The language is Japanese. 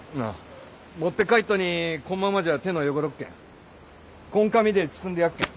持って帰っとにこんままじゃ手の汚るっけんこん紙で包んでやっけん。